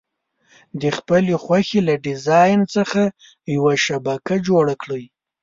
د خپلې خوښې له ډیزاین څخه یوه شبکه جوړه کړئ.